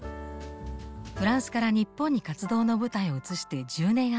フランスから日本に活動の舞台を移して１０年余り。